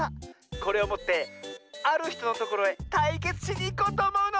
これをもってあるひとのところへたいけつしにいこうとおもうの！